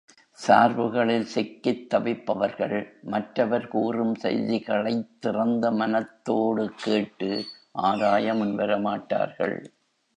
சார்புகளில் சிக்கித் தவிப்பவர்கள் மற்றவர் கூறும் செய்திகளைத் திறந்த மனத்தோடு கேட்டு ஆராய முன்வர மாட்டார்கள்.